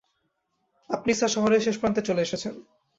আপনি স্যার শহরের শেষ প্রান্তে চলে এসেছেন।